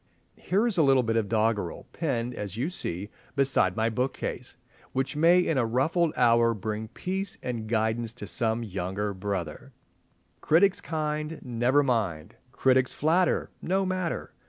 Here is a little bit of doggerel, pinned, as you see, beside my bookcase, which may in a ruffled hour bring peace and guidance to some younger brother— "Critics kind—never mind! Critics flatter—no matter!